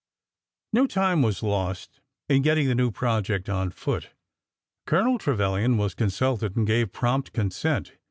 No time was lost in getting the new project on foot. Colonel Trevilian was consulted and gave prompt con sent.